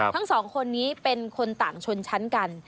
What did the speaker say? ทั้งสองคนนี้เป็นคนต่างชนชั้นกัน